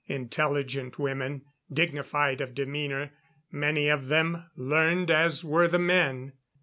Intelligent women, dignified of demeanor; many of them learned as were the men.